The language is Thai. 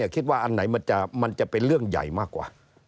คิดว่าอันไหนมันจะเป็นเรื่องใหญ่มากกว่า